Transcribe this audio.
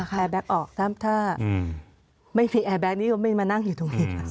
แอร์แบ็กซ์ออกตามถ้าไม่มีแอร์แบ็กซ์นี้ก็ไม่มานั่งอยู่ตรงนี้